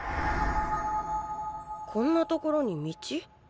こんな所に道？